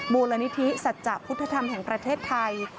มูลนิธิสัจจะพุทธธรรมแห่งประเทศไทย